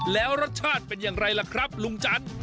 แล้วรสชาติเป็นอย่างไรล่ะครับลุงจันทร์